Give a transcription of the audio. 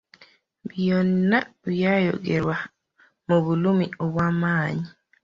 Byonna byayogwerwa mu bulumi obw’amaanyi.